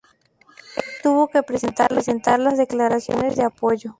Él tuvo que presentar las declaraciones de apoyo.